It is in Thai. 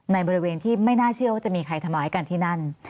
ในบริเวณที่ไม่น่าเชื่อว่าจะมีใครทำร้ายกันที่นั่น